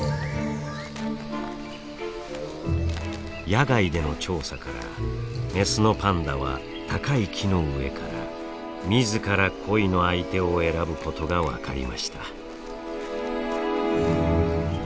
野外での調査からメスのパンダは高い木の上から自ら恋の相手を選ぶことが分かりました。